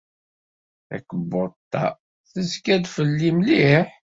Takebbuḍt-a tezga-d fell-i mliḥ.